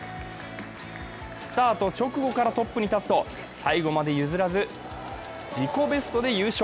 スタート直後からトップに立つと最後まで譲らず、自己ベストで優勝。